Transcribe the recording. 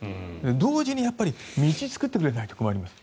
同時に道を作ってくれないと困ります。